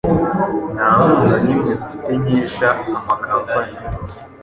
Nta nkunga nimwe mfite nkesha ama company